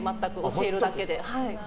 教えるだけで。